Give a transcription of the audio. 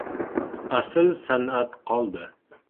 Asl san’at qoldi!